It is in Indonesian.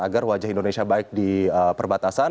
agar wajah indonesia baik di perbatasan